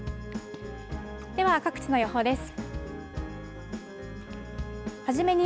では各地の予報です。